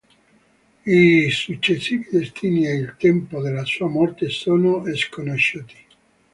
I successivi destini e il tempo della sua morte sono sconosciuti.